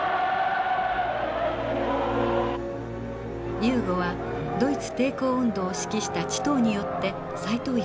ユーゴはドイツ抵抗運動を指揮したチトーによって再統一されました。